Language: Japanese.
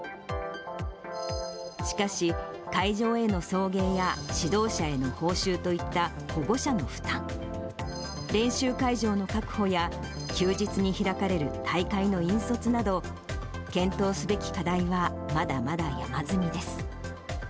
しかし、会場への送迎や指導者への報酬といった保護者の負担、練習会場の確保や、休日に開かれる大会の引率など、検討すべき課題はまだまだ山積みです。